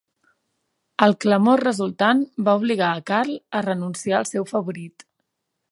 El clamor resultant va obligar a Karl a renunciar al seu favorit.